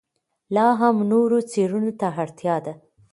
لا هم نورو څېړنو ته اړتیا ده.